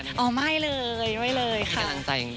มีกำลังใจอย่างดีหรอ